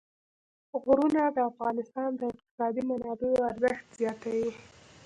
غرونه د افغانستان د اقتصادي منابعو ارزښت زیاتوي.